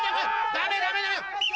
ダメダメダメ！